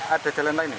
ada jalan lain ya